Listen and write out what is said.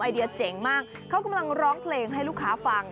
เดียเจ๋งมากเขากำลังร้องเพลงให้ลูกค้าฟัง